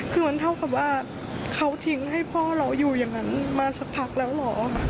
คือมันเท่ากับว่าเขาทิ้งให้พ่อเราอยู่อย่างนั้นมาสักพักแล้วเหรอ